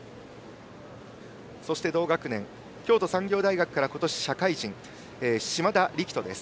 そして、同学年京都産業大学から今年社会人嶋田力斗です。